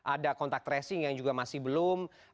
ada kontak tracing yang juga masih belum